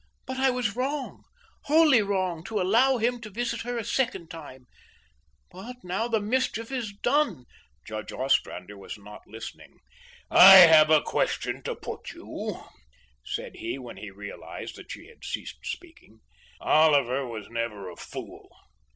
But I was wrong, wholly wrong to allow him to visit her a second time; but now that the mischief is done " Judge Ostrander was not listening. "I have a question to put you," said he, when he realised that she had ceased speaking. "Oliver was never a fool.